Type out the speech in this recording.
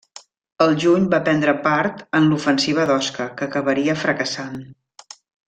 Al juny va prendre part en l'ofensiva d'Osca, que acabaria fracassant.